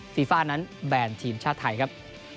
ฟีฟ่านั้นแบนทีมชาติไทยครับ